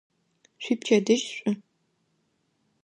Шъуипчэдыжь шӏу!